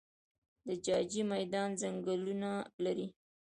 د جاجي میدان ځنګلونه لري